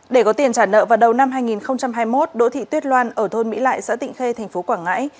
để có tiền trả nợ vào đầu năm hai nghìn hai mươi một đỗ thị tuyết loan ở thôn mỹ lại xã tịnh khê tp quảng ngãi